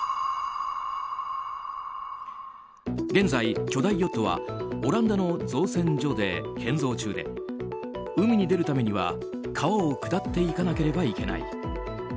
現在、巨大ヨットはオランダの造船所で建造中で海に出るためには川を下っていかなければいけない。